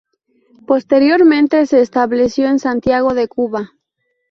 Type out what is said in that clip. Posteriormente se estableció en Santiago de Cuba.